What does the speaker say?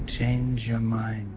jangan ubah pikiranmu